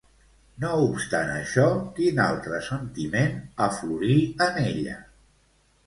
No obstant això, quin altre sentiment aflorí en ella?